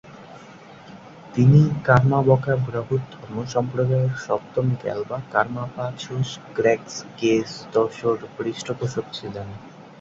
তিনি কার্মা-ব্কা'-ব্র্গ্যুদ ধর্মসম্প্রদায়ের সপ্তম র্গ্যাল-বা-কার্মা-পা ছোস-গ্রাগ্স-র্গ্যা-ম্ত্শোর পৃষ্ঠপোষক ছিলেন।